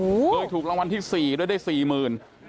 เลยถูกรางวัลที่๔แล้วได้๔๐๐๐๐บาท